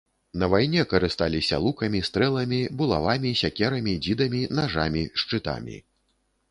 На вайне карысталіся лукамі, стрэламі, булавамі, сякерамі, дзідамі, нажамі, шчытамі.